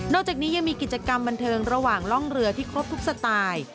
จากนี้ยังมีกิจกรรมบันเทิงระหว่างร่องเรือที่ครบทุกสไตล์